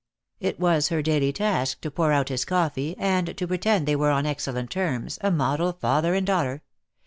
It was her daily task to pour out his coffee, and to pretend they were on excellent terms, a model father and daughter.